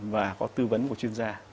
và có tư vấn của chuyên gia